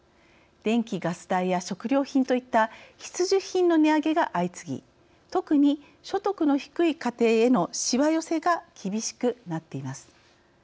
電気・ガス代や食料品といった必需品の値上げが相次ぎ特に、所得の低い家庭へのしわ寄せが厳しくなっています。